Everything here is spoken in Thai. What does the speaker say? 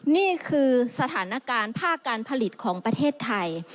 นี่คือสถานการณ์ภาคการผลิตของประเทศไทย